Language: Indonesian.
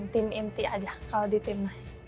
bisa main tim inti aja kalau di tim mas